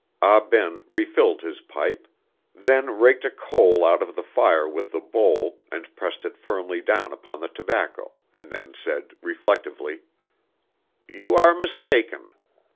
Ah Ben refilled his pipe, then raked a coal out of the fire with the bowl and pressed it firmly down upon the tobacco, and then said, reflectively: "You are mistaken.